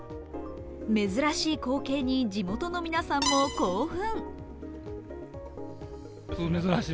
珍しい光景に地元の皆さんも興奮。